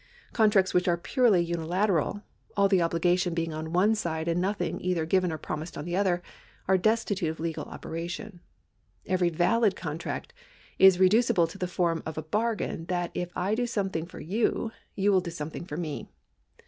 Contracts which are purely uni lateral, all the obligation benig on one side, and nothing either given or promised on the other, are destitute of legal §121] TITLES 315 operation. Every valid contract ^ is reducible to the form of a bargain that if I do something for you, you will do some thing for mc.